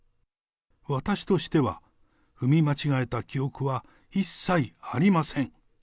私としては、踏み間違えた記憶は一切ありません。